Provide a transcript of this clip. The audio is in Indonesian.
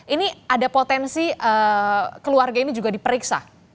ini ada potensi keluarga ini juga diperiksa